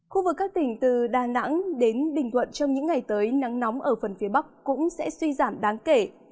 khu vực các tỉnh từ đà nẵng đến bình thuận trong những ngày tới nắng nóng ở phần phía bắc cũng sẽ suy giảm đáng kể